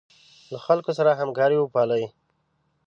له خلکو سره همکاري وپالئ.